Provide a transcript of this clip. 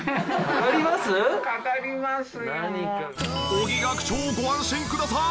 尾木学長ご安心ください！